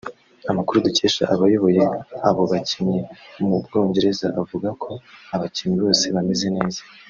Amakuru dukesha abayoboye abo bakinnyi mu Bwongereza avuga ko abakinnyi bose bameze neza